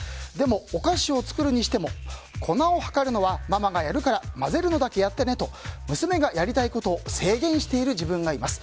でも、お菓子を作るにしても粉を量るのはママがやるから混ぜるのだけやってねと娘がやりたいことを制限している自分がいます。